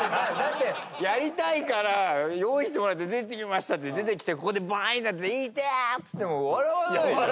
だってやりたいから用意してもらって出てきましたって出てきてここでバーンなって「痛え！？」っつっても笑わない。